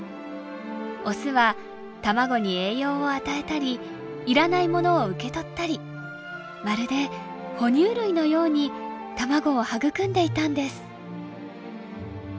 オスは卵に栄養を与えたり要らないものを受け取ったりまるで哺乳類のように卵を育んでいたんです。